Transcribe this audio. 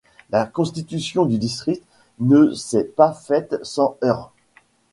La constitution du district ne s'est pas faite sans heurts.